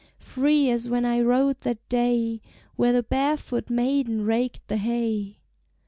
"Free as when I rode that day Where the barefoot maiden raked the hay."